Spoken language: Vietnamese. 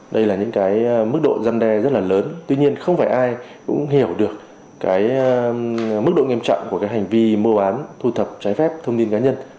đây là những cái mức độ giăn đe rất là lớn tuy nhiên không phải ai cũng hiểu được cái mức độ nghiêm trọng của cái hành vi mua bán thu thập trái phép thông tin cá nhân